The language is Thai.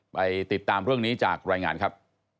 ไปติดตามเรื่องนี้จากรายงานครับ